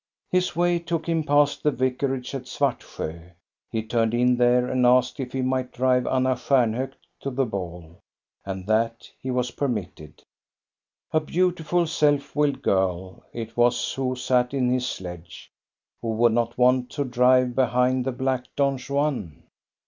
His way took him past the vicarage at Svartsjo. He turned in there and asked if he might drive Anna Stjarnhok to the ball. And that he was permitted. A beautiful, self willed girl it was who sat in his sledge. Who would not want to drive behind the black Don Juan?